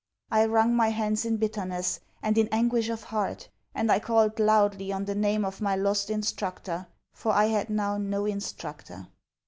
I wrung my hands in bitterness, and in anguish of heart; and I called loudly on the name of my lost instructor, for I had now no instructor.